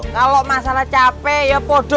kalau masalah capek ya podo